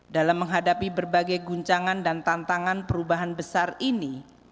dalam menghadapi berbagai guncangan dan tantangan perubahan besar ini